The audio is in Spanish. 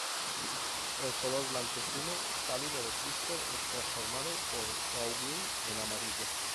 El color blanquecino pálido de Cristo es transformado por Gauguin en amarillo.